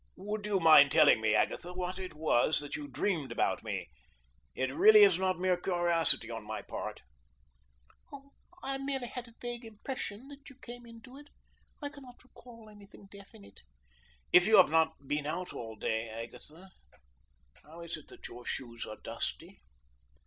"Would you mind telling me, Agatha, what it was that you dreamed about me? It really is not mere curiosity on my part." "I merely had a vague impression that you came into it. I cannot recall any thing definite." "If you have not been out to day, Agatha, how is it that your shoes are dusty?"